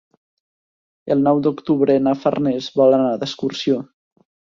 El nou d'octubre na Farners vol anar d'excursió.